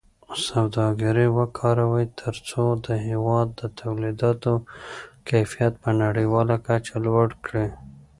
سوداګري وکاروئ ترڅو د هېواد د تولیداتو کیفیت په نړیواله کچه لوړ کړئ.